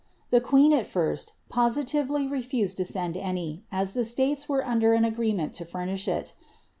The queen^ at first, positively retusea to send any, as the Males wtre under an agreement to furnish it.